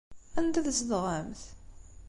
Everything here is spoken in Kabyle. Anda tzedɣemt?